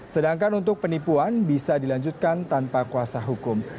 sedangkan untuk penipuan bisa dilanjutkan tanpa kuasa hukum